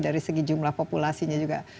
dari segi jumlah populasinya juga